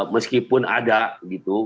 meskipun ada gitu